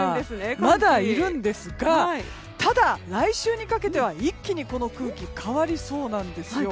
まだいるんですがただ、来週にかけては一気にこの空気変わりそうです。